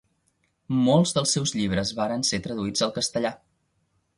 Molts dels seus llibres varen ser traduïts al castellà.